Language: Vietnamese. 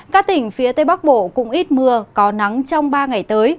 các tỉnh phía tây bắc bộ cũng ít mưa có nắng trong ba ngày tới